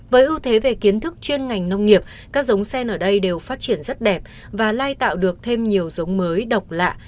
với ưu thế về kiến thức chuyên ngành nông nghiệp các giống sen ở đây đều phát triển rất đẹp và lai tạo được thêm nhiều giống mới độc lạ